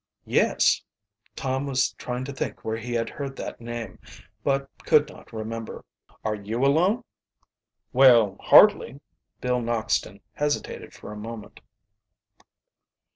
"Yes." Tom was trying to think where he had heard that name, but could not remember. "Are you alone?" "Well, hardly." Bill Noxton hesitated for a moment.